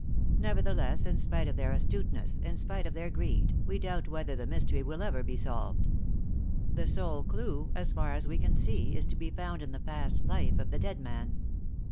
Nevertheless, in spite of their astuteness, in spite of their greed, we doubt whether the mystery will ever be solved. The sole clue, so far as we can see, is to be found in the past life of the dead man.